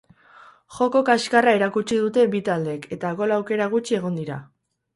Joko kaskarra erakutsi dute bi taldeek eta gol aukera gutxi egon dira.